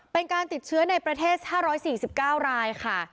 เป็นการติดเชื้อในประเทศ๕๔๙รายค่ะ